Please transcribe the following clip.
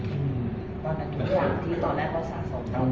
ตอนนั้นทุกอย่างที่ตอนแรกเขาสะสมกัน